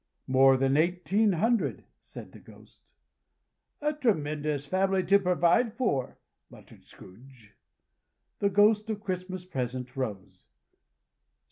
"More than eighteen hundred," said the Ghost. "A tremendous family to provide for," muttered Scrooge. The Ghost of Christmas Present rose.